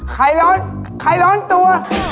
ไข่ร้อนไข่ร้อนตัว